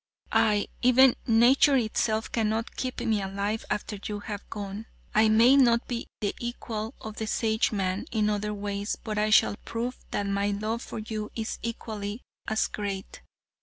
Aye, even nature itself cannot keep me alive after you have gone. I may not be the equal of the Sageman in other ways, but I shall prove that my love for you is equally as great."